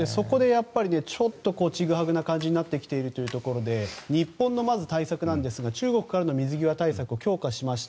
ちぐはぐな感じになってきているということで日本の対策なんですが中国からの水際対策を強化しました。